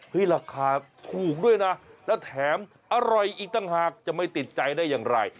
ราคาถูกด้วยนะแล้วแถมอร่อยอีกต่างหากจะไม่ติดใจได้อย่างไร